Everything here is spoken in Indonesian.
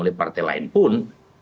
oleh partai lain pun